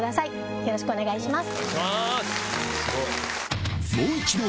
よろしくお願いします。